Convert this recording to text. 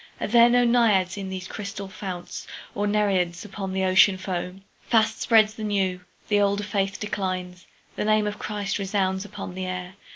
Are there no Naiads in these crystal founts? Nor Nereids upon the Ocean foam? Fast spreads the new; the older faith declines. The name of Christ resounds upon the air.